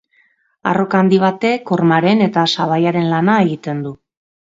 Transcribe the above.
Arroka handi batek hormaren eta sabaiaren lana egiten du.